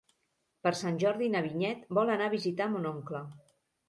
Per Sant Jordi na Vinyet vol anar a visitar mon oncle.